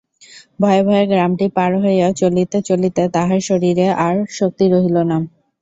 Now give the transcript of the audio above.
ভয়ে ভয়ে গ্রামটি পার হইয়া চলিতে চলিতে তাহার শরীরে আর শক্তি রহিল না।